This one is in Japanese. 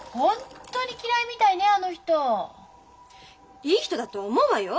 いい人だと思うわよ。